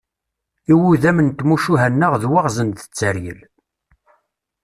Iwudam n tmucuha-nneɣ d waɣzen d tteryel.